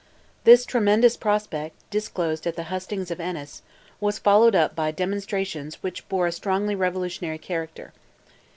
This "tremendous prospect," disclosed at the hustings of Ennis, was followed up by demonstrations which bore a strongly revolutionary character.